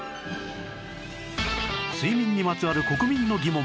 睡眠にまつわる国民の疑問